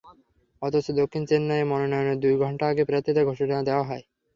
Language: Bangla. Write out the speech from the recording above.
অথচ দক্ষিণ চেন্নাইয়ে মনোনয়নের দুই ঘণ্টা আগে প্রার্থিতা ঘোষণা দেওয়া হয়।